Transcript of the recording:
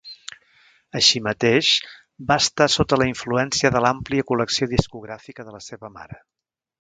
Així mateix, va estar sota la influència de l'àmplia col·lecció discogràfica de la seva mare.